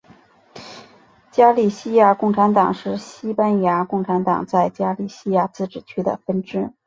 加利西亚共产党是西班牙共产党在加利西亚自治区的分支。